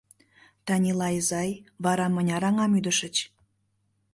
Танила изай, вара мыняр аҥам ӱдышыч?